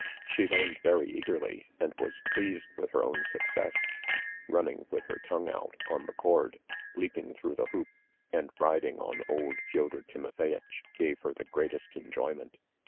She learned very eagerly and was pleased with her own success; running with her tongue out on the cord, leaping through the hoop, and riding on old Fyodor Timofeyitch, gave her the greatest enjoyment.